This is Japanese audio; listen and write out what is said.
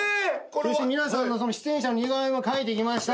そして皆さんの出演者の似顔絵も描いてきました。